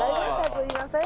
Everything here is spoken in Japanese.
すみません。